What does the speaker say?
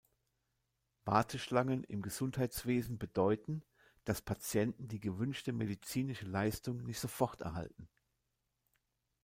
Warteschlangen im Gesundheitswesen bedeuten, dass Patienten die gewünschte medizinische Leistung nicht sofort erhalten.